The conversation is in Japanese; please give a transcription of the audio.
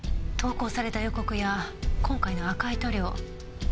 投稿された予告や今回の赤い塗料。